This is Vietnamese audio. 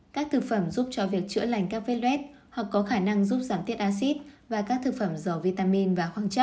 các thực phẩm giúp cho việc chữa lành các vết lét hoặc có khả năng giúp giảm tiết acid và các thực phẩm giỏ vitamin và khói